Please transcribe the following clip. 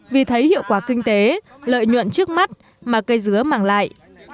vì thấy hiệu quả kinh tế lợi nhuận trước mắt mà cây dứa mang lại